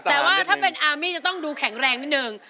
แต่ว่าถ้าเป็นอาร์มี่จะต้องดูแข็งแรงนิดนึง